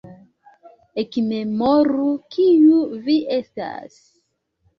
ekmemoru, kiu vi estas!